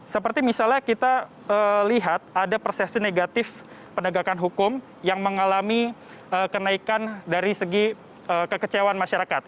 seperti misalnya kita lihat ada persepsi negatif penegakan hukum yang mengalami kenaikan dari segi kekecewaan masyarakat